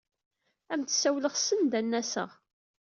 Ad am-d-ssawleɣ send ad n-aseɣ.